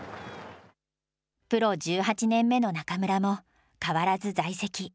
プロ１８年目の中村も変わらず在籍。